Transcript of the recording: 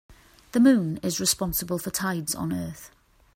The moon is responsible for tides on earth.